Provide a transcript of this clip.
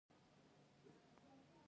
زه نه غواړم راپور مې ساده انګارانه وي.